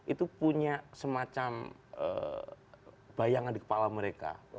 itu punya semacam bayangan di kepala mereka